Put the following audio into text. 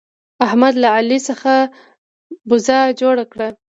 احمد له علي څخه بزه جوړه کړه.